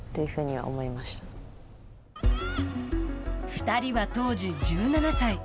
２人は当時１７歳。